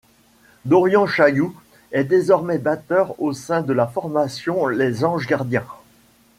Dorian Chaillou est désormais batteur au sein de la formation Les Anges Gardiens.